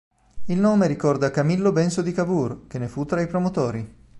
Il nome ricorda Camillo Benso di Cavour, che ne fu tra i promotori.